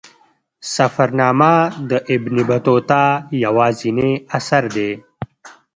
سفرنامه د ابن بطوطه یوازینی اثر دی.